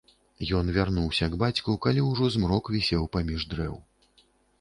Ён вярнуўся к бацьку, калі ўжо змрок вісеў паміж дрэў.